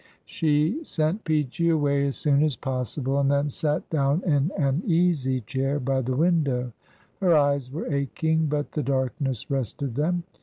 She sent Peachey away as soon as possible, and then sat down in an easy chair by the window; her eyes were aching, but the darkness rested them.